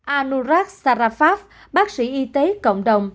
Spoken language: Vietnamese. anurag sarafaf bác sĩ y tế cộng đồng